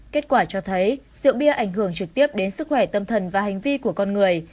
kết quả cho thấy rượu bia ảnh hưởng trực tiếp đến sức khỏe tâm thần và hành vi của con người